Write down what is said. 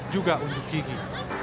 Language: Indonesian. dan gunjung gigi